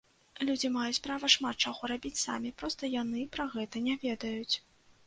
Людзі маюць права шмат чаго рабіць самі, проста яны пра гэта не ведаюць!